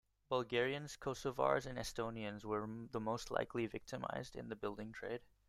Bulgarians, Kosovars and Estonians were the most likely victimised in the building trade.